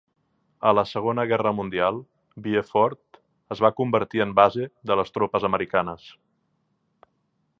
A la Segona Guerra Mundial, Vieux Fort es va convertir en base de les tropes americanes.